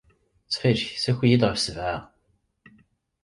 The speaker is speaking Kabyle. Ttxil-k, ssaki-iyi-d ɣef ssebɛa.